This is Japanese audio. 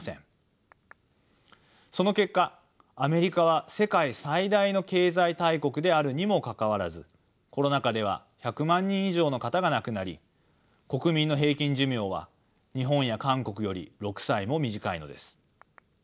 その結果アメリカは世界最大の経済大国であるにもかかわらずコロナ禍では１００万人以上の方が亡くなり国民の平均寿命は日本や韓国より６歳も短いのです。